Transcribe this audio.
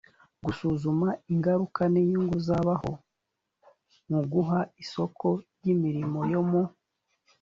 gusuzuma ingaruka n inyungu zabaho mu guha isoko ry imirimo yo mu